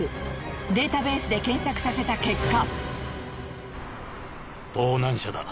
データベースで検索させた結果。